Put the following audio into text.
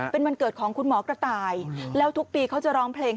เป็นวันเกิดของคุณหมอกระต่ายแล้วทุกปีเขาจะร้องเพลง